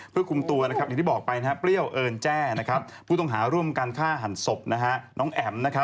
เพื่อคุมตัวอย่างที่บอกไปเปรี้ยวเอิญแจ้ผู้ต้องหาร่วมกันฆ่าหันศพน้องแอ๋ม